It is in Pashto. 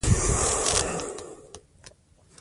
د غریبانو قرباني به نور نه کېږي.